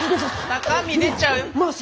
中身出ちゃう中身。